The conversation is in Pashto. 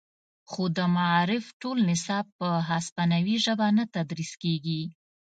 خو د معارف ټول نصاب په هسپانوي ژبه نه تدریس کیږي